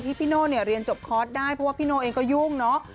พี่โน่เนี่ยเรียนจบคอร์สได้เพราะว่าพี่โน่เองก็ยุ่งเนาะ